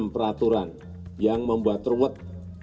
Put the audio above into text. peraturan yang membuat terwet